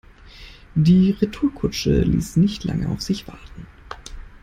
Die Retourkutsche ließ nicht lange auf sich warten.